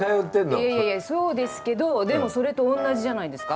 いやいやいやそうですけどでもそれとおんなじじゃないんですか？